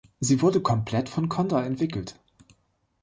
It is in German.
Sie wurde komplett von Condor entwickelt.